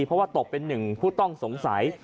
เพราะว่าตกเป็นหนึ่งผู้ต้องสงสัย